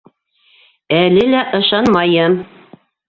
Әле лә ышанмайым!